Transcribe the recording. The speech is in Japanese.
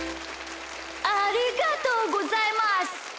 ありがとうございます。